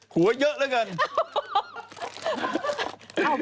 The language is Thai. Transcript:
หัวเยอะแล้วกัน